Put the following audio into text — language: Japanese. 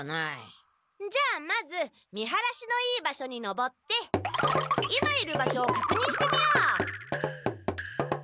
じゃあまず見晴らしのいい場所に登って今いる場所をかくにんしてみよう！